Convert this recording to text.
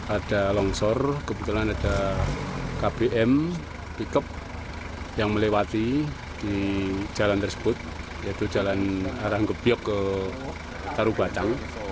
ada longsor kebetulan ada kbm pikep yang melewati di jalan tersebut yaitu jalan arrangkebiok ke tarubatang